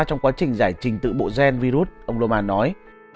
trong quá trình giải trình tự bộ gen virus ông roman nói